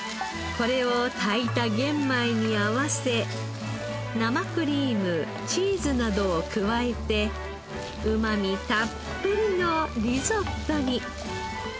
これを炊いた玄米に合わせ生クリームチーズなどを加えてうまみたっぷりのリゾットに。